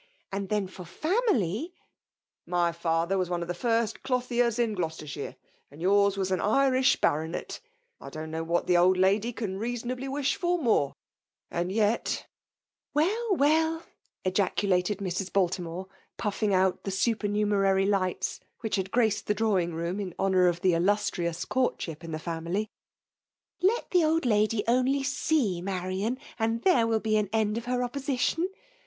And then for ibmily ^" My father was one of the first clothiers in Gloucestershire, and your's was an Irish Baronet; I don't know what the old lady can reasonably wish for more. And yet ^^' L9 JOOlflNATiON. i3 " Wdl, Twell !" qjaculated Mre. puffing out the supemumcraiy lights wiiich lud graced the draiving room in honour of the Uluatrioas courtship in the family, " let the old lady only ste Marian, and there will be an end of her opposition